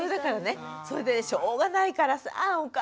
それでしょうがないからさあお母さんにさ